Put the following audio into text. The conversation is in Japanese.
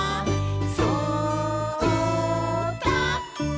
「そうだ！」